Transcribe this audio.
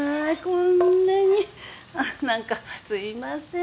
こんなに何かすいません